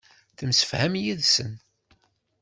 Temsefham yid-sen.